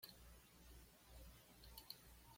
Muy joven se dedicó a las obras de caridad.